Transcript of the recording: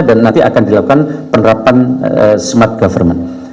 dan nanti akan dilakukan penerapan smart government